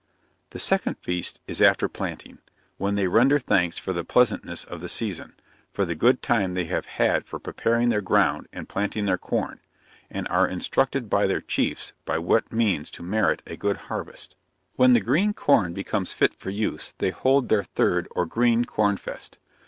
The second feast is after planting; when they render thanks for the pleasantness of the season for the good time they have had for preparing their ground and planting their corn; and are instructed by their Chiefs, by what means to merit a good harvest. When the green corn becomes fit for use, they hold their third, or green corn feast.